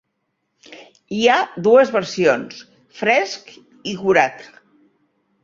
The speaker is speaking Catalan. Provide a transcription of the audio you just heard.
Hi ha dues versions; fresc i curat.